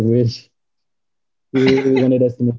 kita ingin kita menang